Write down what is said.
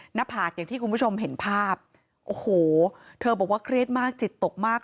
หน้าผากอย่างที่คุณผู้ชมเห็นภาพโอ้โหเธอบอกว่าเครียดมากจิตตกมาก